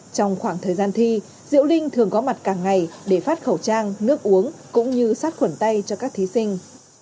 trong khoảng thời gian thi diễu linh thường có mặt cả ngày để phát khẩu trang nước uống cũng như sát khuẩn tay cho các thí sinh